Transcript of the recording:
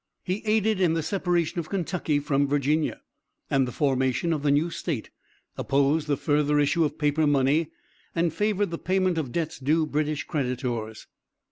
He aided in the separation of Kentucky from Virginia, and the formation of the new State, opposed the further issue of paper money, and favored the payment of debts due British creditors.